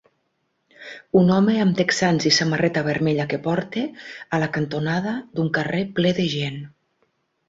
Un home amb texans i samarreta vermella que porta a la cantonada d'un carrer ple de gent.